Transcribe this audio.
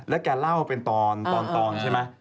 แล้วแกเล่าเป็นตอนใช่ไหม